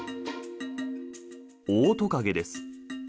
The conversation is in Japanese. オオトカゲです。